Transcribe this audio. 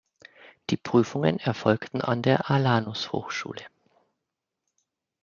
Die Prüfungen erfolgten an der Alanus Hochschule.